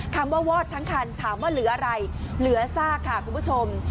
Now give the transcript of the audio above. คำว่าวอดทั้งคันถามว่าเหลืออะไรเหลือซากค่ะคุณผู้ชม